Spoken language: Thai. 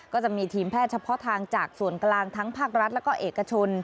ก็จะมีทีมแพทย์เฉพาะทางจากส่วนกลางทั้งภาครัฐแล้วก็เอกชน